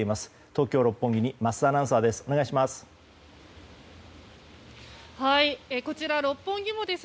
東京・六本木に桝田アナウンサーです。